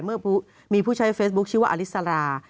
เมื่อมีผู้ใช้เฟซบุ๊คชื่อว่าอลิสรา